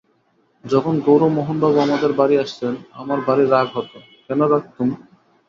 যখন গৌরমোহনবাবু আমাদের বাড়ি আসতেন আমার ভারি রাগ হত—কেন রাগতুম?